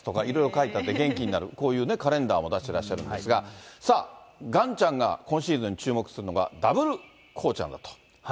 いろいろ書いてあって元気になる、こういうカレンダーも出してらっしゃるんですが、さあ、ガンちゃんが今シーズン注目するのが、ダブルこうちゃんだと。